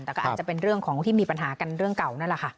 แต่ก็อาจจะเป็นเรื่องของที่มีปัญหากันเรื่องเก่านั่นแหละค่ะ